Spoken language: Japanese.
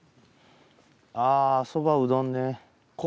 あぁそばうどんね。